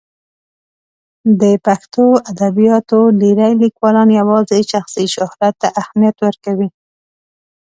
د پښتو ادبیاتو ډېری لیکوالان یوازې شخصي شهرت ته اهمیت ورکوي.